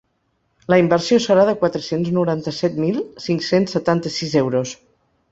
La inversió serà de quatre-cents noranta-set mil cinc-cents setanta-sis euros.